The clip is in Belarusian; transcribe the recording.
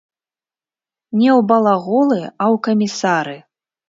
Не ў балаголы, а ў камісары.